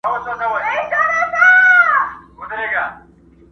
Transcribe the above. زړونه نسته په سینو کي د شاهانو؛